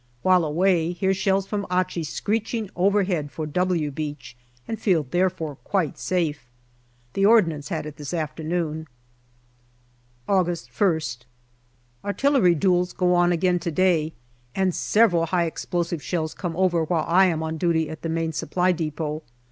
While away, hear shells from Achi screeching overhead for " W" Beach, and feel therefore quite safe. The Ordnance had it this afternoon. AUGUST August 1st. ARTILLERY duels go on again to day, and several high explosive shells come over while I am on duty at the Main Supply depot.